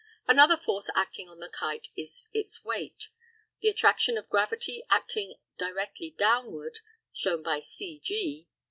Another force acting on the kite is its weight the attraction of gravity acting directly downward, shown by CG.